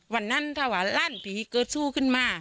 วันนั้นถ้าว่าลั่นผีเกิดสู้ขึ้นมา